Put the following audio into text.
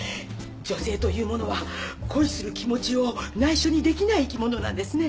女性というものは恋する気持ちを内緒にできない生き物なんですね。